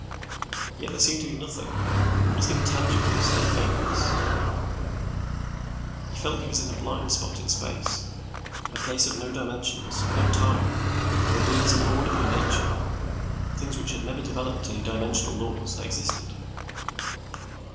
Yet there seemed to be nothing, nothing tangible save vagueness. He felt he was in a blind spot in space, a place of no dimensions, no time, where beings abhorred by nature, things which had never developed any dimensional laws, existed.